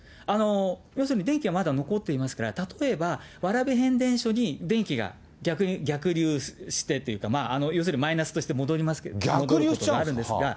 要するに電気はまだ残っていますから、例えば蕨変電所に電気が逆流してというか、要するにマイナスとして戻ることがあるんですが。